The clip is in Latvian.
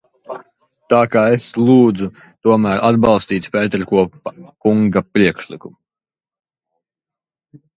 Tā ka es lūdzu tomēr atbalstīt Pēterkopa kunga priekšlikumu.